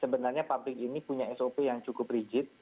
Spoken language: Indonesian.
sebenarnya pabrik ini punya sop yang cukup rigid